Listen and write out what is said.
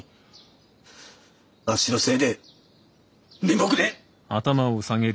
あっしのせいで面目ねえ。